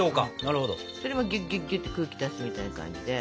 それもぎゅっぎゅっぎゅっと空気出すみたいな感じで。